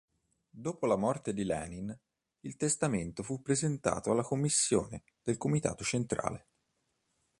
Dopo la morte di Lenin, il Testamento fu presentato alla commissione del Comitato Centrale.